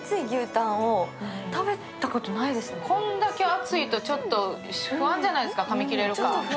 こんだけ厚いと不安じゃないですか、かみ切れるかって。